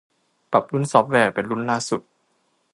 ปรับรุ่นซอฟต์แวร์เป็นรุ่นล่าสุด